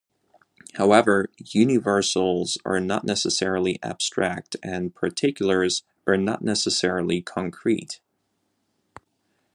However, universals are not necessarily abstract and particulars are not necessarily concrete.